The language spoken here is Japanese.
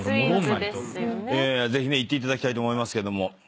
ぜひ行っていただきたいと思いますけども。